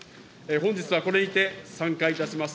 本日はこれにて散会いたします。